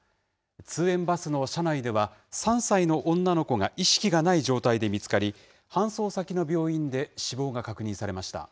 通園バスの車内では、３歳の女の子が意識がない状態で見つかり、搬送先の病院で死亡が確認されました。